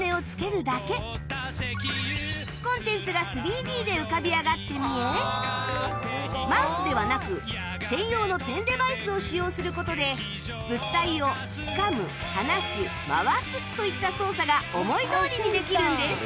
コンテンツが ３Ｄ で浮かび上がって見えマウスではなく専用のペンデバイスを使用する事で物体をつかむ離す回すといった操作が思いどおりにできるんです